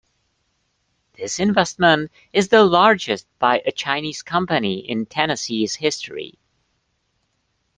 This investment is the largest by a Chinese company in Tennessee's history.